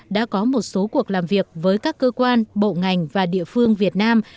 đã có một số cuộc làm việc với các cơ quan bộ ngành và địa phương việt nam